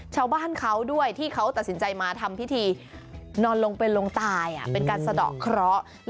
ชาวบ้านเขาด้วยที่เขาตัดสินใจมาทำพิธีนอนลงไปลงตายเป็นการสะดอกเคราะห์